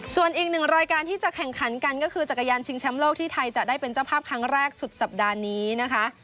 ส่วนอีกหนึ่งรายการที่จะแข่งขันกันก็คือจักรยานชิงแชมป์โลกที่ไทยจะได้เป็นเจ้าภาพครั้งแรกสุดสัปดาห์นี้นะคะ